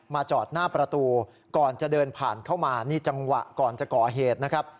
จอดหน้าประตูก่อนจะเดินผ่านเข้ามานี่จังหวะก่อนจะก่อเหตุนะครับ